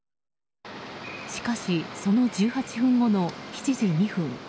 しかし、その１８分後の７時２分。